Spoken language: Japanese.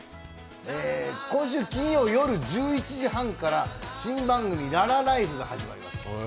今週金曜夜１１時半から新番組「ララＬＩＦＥ」が始まります。